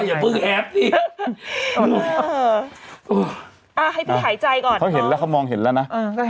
อย่าเพิ่งแอฟพี่ให้พี่หายใจก่อนเขาเห็นแล้วเขามองเห็นแล้วนะ